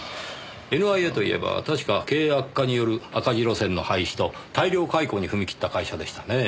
ＮＩＡといえば確か経営悪化による赤字路線の廃止と大量解雇に踏み切った会社でしたねぇ。